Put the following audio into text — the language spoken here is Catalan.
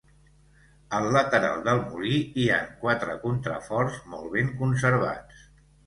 Al lateral del molí hi han quatre contraforts molt ben conservats.